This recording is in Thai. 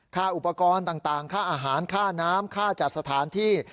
ค่าอุปกรณ์ต่างค่าอาหารค่าน้ำค่าจัดสถานที่